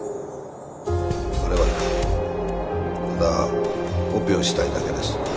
・我々はただオペをしたいだけです